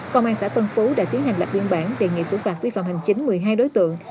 công an xã tân phú đã tiến hành lập biên bản đề nghị xử phạt vi phạm hành chính một mươi hai đối tượng